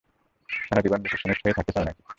সারাজীবন রিসিপশনিস্ট হয়েই থাকতে চাও নাকি?